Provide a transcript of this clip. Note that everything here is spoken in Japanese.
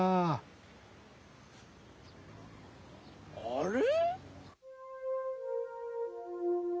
あれ？